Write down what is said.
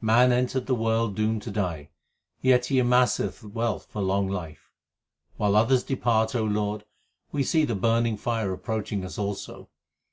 Man entered the world doomed to die ; yet he amasseth wealth for long life. While others depart, O Lord, we see the burning fire approaching us also.